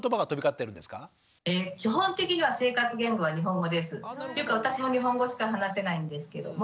ていうか私も日本語しか話せないんですけども。